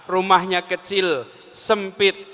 rumahnya kecil sempit